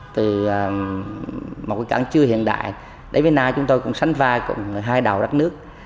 từ một cái cảng chưa hiện đại đến nay chúng tôi cũng sánh vai cùng hai đầu đất nước